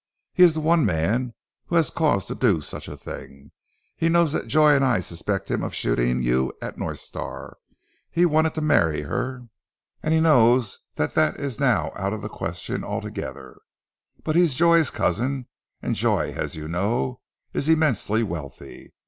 "He is the one man who has cause to do such a thing. He knows that Joy and I suspect him of shooting you at North Star. He wanted to marry her, and he knows that that is now out of the question altogether. But he is Joy's cousin, and Joy, as you know, is immensely wealthy.